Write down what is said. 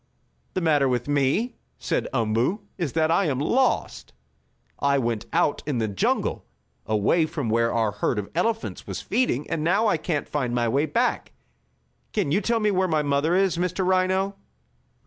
"The matter with me," said Umboo, "is that I am lost. I went out in the jungle, away from where our herd of elephants was feeding, and now I can't find my way back again. Can you tell me where my mother is, Mr. Rhino?"